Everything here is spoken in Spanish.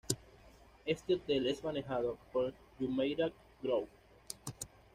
Este hotel es manejado por Jumeirah Group.